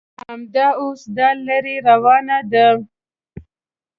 همدا اوس دا لړۍ روانه ده.